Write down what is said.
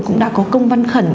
cũng đã có công văn khẩn